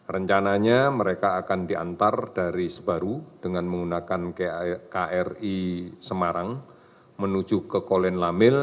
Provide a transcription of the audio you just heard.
rencananya mereka akan diantar dari sebaru dengan menggunakan kri semarang menuju ke kolen lamil